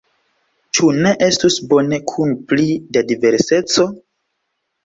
Ĉu ne estus bone kun pli da diverseco?